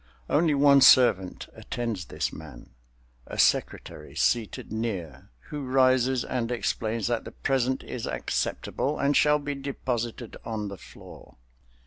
Only one servant attends this man, a secretary, seated near, who rises and explains that the present is acceptable and shall be deposited on the floor.